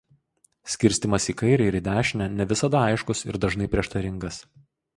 Skirstymas į kairę ir dešinę ne visada aiškus ir dažnai prieštaringas.